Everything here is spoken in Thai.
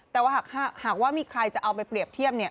แต่ว่าหากว่ามีใครจะเอาไปเปรียบเทียบ